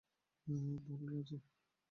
বল, রাজি?